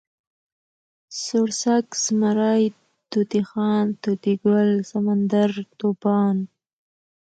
سوړسک، زمری، طوطی خان، طوطي ګل، سمندر، طوفان